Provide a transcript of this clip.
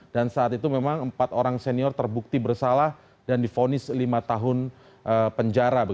dan saat itu memang empat orang senior terbukti bersalah dan difonis lima tahun penjara